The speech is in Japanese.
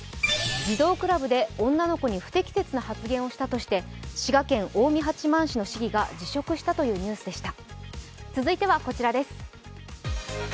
児童クラブで女の子に不適切な発言をしたということで滋賀県近江八幡市の市議が辞職したというニュースでした。